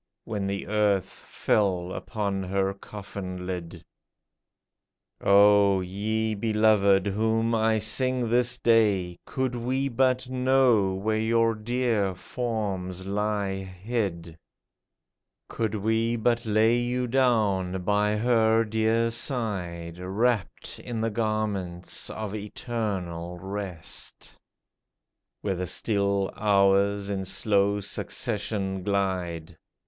When the earth fell upon her coffin lid ! O, ye beloved whom I sing this day, Could we but know where your dear forms lie hid ! Could we but lay you down by her dear side, Wrapped in the garments of eternal rest. Where the still hours in slow succession glide.